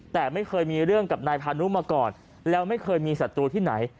แต่ไม่เคยมีเรื่องกับนายพานุมาก่อนแล้วไม่เคยมีศัตรูที่ไหน